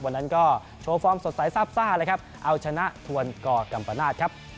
วันนั้นก็โชว์ฟอร์มสดใสซาบซ่าเลยครับเอาชนะทวนกกัมปนาศครับ